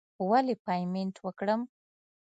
ولې پیمنټ وکړم.